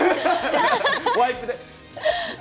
ワイプで。